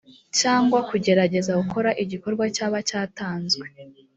cyangwa kugerageza gukora igikorwa cyaba cyatanzwe